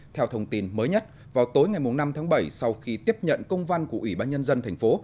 theo thông tin mới nhất vào tối ngày năm tháng bảy sau khi tiếp nhận công văn của ủy ban nhân dân thành phố